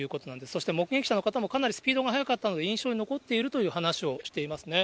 そして目撃者の方もかなりスピードが速かったので、印象に残っているという話をしていますね。